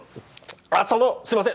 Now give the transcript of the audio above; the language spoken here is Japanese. あっそのすいません